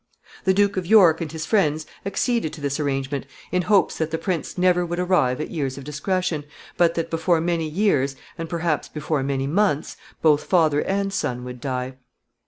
] The Duke of York and his friends acceded to this arrangement, in hopes that the prince never would arrive at years of discretion, but that, before many years, and perhaps before many months, both father and son would die.